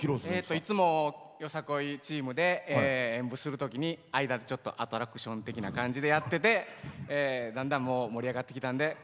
いつもよさこいチームで間にちょっとアトラクション的な感じでやってて、だんだん盛り上がってたんでね